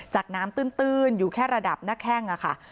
น้ำตื้นอยู่แค่ระดับหน้าแข้งค่ะ